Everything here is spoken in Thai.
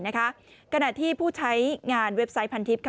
ขณะที่ผู้ใช้งานเว็บไซต์พันทิพย์